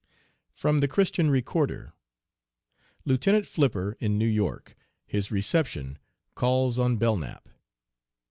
(From the Christian Recorder.) LIEUTENANT FLIPPER IN NEW YORK HIS RECEPTION CALLS ON BELKNAP.